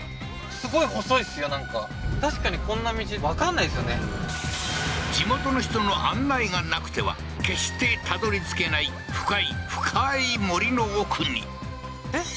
すごい細いですよなんか確かにこんな道わかんないですよね地元の人の案内がなくては決してたどり着けない深い深い森の奥にえっ？